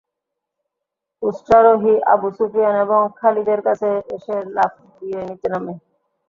উষ্ট্রারোহী Abu Sufyan এবং খালিদের কাছে এসে লাফ দিয়ে নিচে নামে।